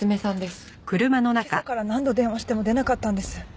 今朝から何度電話しても出なかったんです。